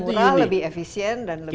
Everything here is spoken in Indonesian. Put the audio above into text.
murah lebih efisien dan lebih